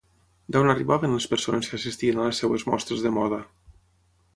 D'on arribaven les persones que assistien a les seves mostres de moda?